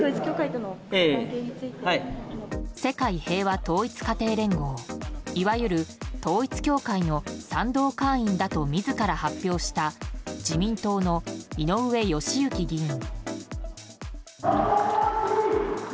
世界平和統一家庭連合いわゆる統一教会の賛同会員だと自ら発表した自民党の井上義行議員。